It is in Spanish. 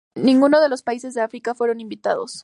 Ninguno de los países de África fueron invitados.